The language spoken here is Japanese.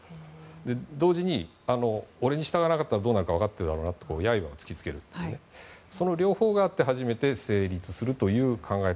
同時に、俺に従わなかったらどうなるか分かってるだろうなと刃を突きつけるという両方があって初めて成立するという考え方。